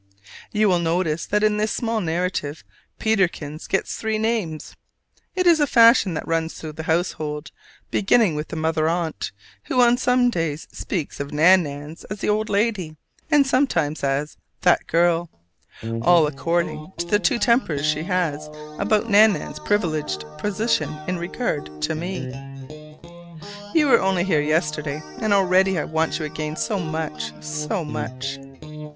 You will notice that in this small narrative Peterkins gets three names: it is a fashion that runs through the household, beginning with the Mother Aunt, who on some days speaks of Nan nan as "the old lady," and sometimes as "that girl," all according to the two tempers she has about Nan nan's privileged position in regard to me. You were only here yesterday, and already I want you again so much, so much!